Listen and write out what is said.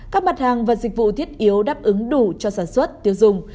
các mặt hàng và dịch vụ thiết yếu đáp ứng đủ cho sản xuất tiêu dùng